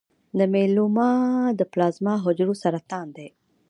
د میلوما د پلازما حجرو سرطان دی.